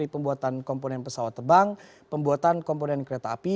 pembuatan komponen pesawat tebang pembuatan komponen kereta api